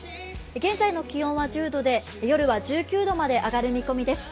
現在の気温は１０度で夜は１９度まで上がる予報です。